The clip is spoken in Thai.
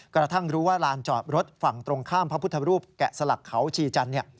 กระทั่งรู้ว่าลานจอดรถฝั่งตรงข้ามพระพุทธรูปแกะสลักเขาชีจันทร์